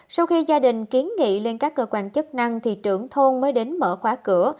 sau khi gia đình kiến nghị lên các cơ quan chức năng thì trưởng thôn mới đến mở khóa cửa